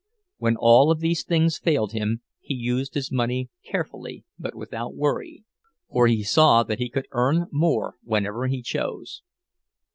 When all of these things failed him he used his money carefully, but without worry—for he saw that he could earn more whenever he chose.